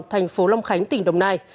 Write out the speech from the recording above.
thành phố long khánh tỉnh đồng nai